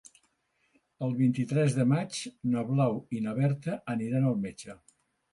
El vint-i-tres de maig na Blau i na Berta aniran al metge.